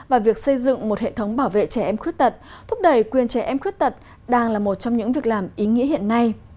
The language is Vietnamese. và việc xây dựng một hệ thống bảo vệ trẻ em khuyết tật thúc đẩy quyền trẻ em khuyết tật đang là một trong những việc làm ý nghĩa hiện nay